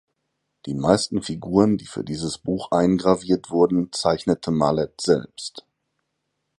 Die meisten Figuren, die für dieses Buch eingraviert wurden, zeichnete Mallet selbst.